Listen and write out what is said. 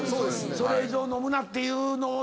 それ以上飲むなっていうのを。